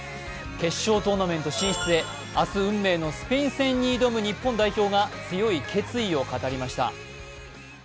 決勝トーナメント進出へ、明日、運命のスペイン戦に挑む日本代表が強い決意を語りました。